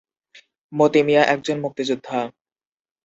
মতি মিয়া একজন মুক্তিযোদ্ধা।